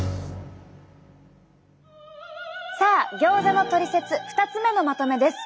さあギョーザのトリセツ２つ目のまとめです。